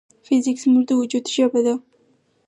فزیک زموږ د وجود ژبه ده.